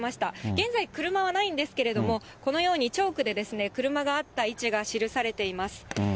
現在、車はないんですけれども、このようにチョークで車があった位置が記されています。